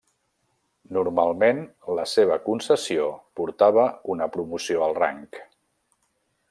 Normalment, la seva concessió portava una promoció al rang.